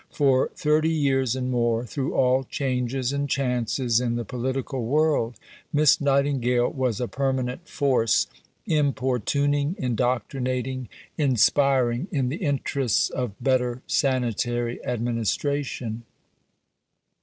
For thirty years and more, through all changes and chances in the political world, Miss Nightingale was a permanent force, importuning, indoctrinating, inspiring, in the interests of better sanitary administration.